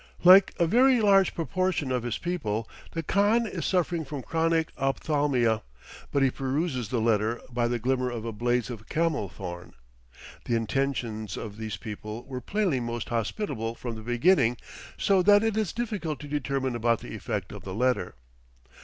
Like a very large proportion of his people, the Khan is suffering from chronic ophthalmia; but he peruses the letter by the glimmer of a blaze of camel thorn. The intentions of these people were plainly most hospitable from the beginning, so that it is difficult to determine about the effect of the letter.